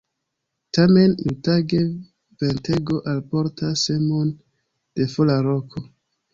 Tamen iutage, ventego alportas semon de fora loko.